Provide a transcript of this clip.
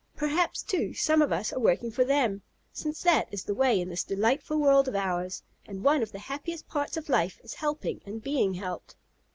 Perhaps, too, some of us are working for them, since that is the way in this delightful world of ours, and one of the happiest parts of life is helping and being helped.